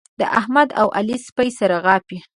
د احمد او علي سپي سره غاپي.